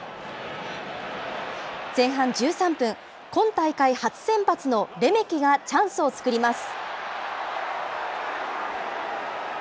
前半１３分、今大会初先発のレメキがチャンスを作ります。